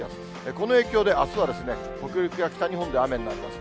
この影響であすは北陸や北日本で雨になります。